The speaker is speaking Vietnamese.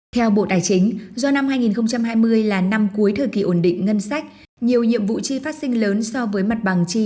theo bộ tài chính do năm hai nghìn hai mươi là năm cuối thời kỳ ổn định ngân sách nhiều nhiệm vụ chi phát sinh lớn so với mặt bằng chi